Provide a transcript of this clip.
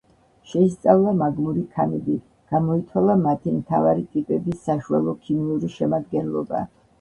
შეისწავლა მაგმური ქანები, გამოითვალა მათი მთავარი ტიპების საშუალო ქიმიური შედგენილობა.